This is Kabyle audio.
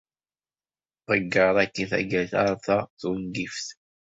Ḍegger akkin tagiṭart-a tungift.